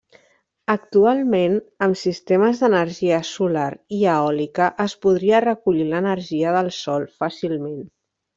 Actualment, amb sistemes d'energia solar i eòlica es podria recollir l'energia del sol fàcilment.